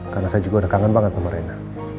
karena saya juga udah kangen banget sama rena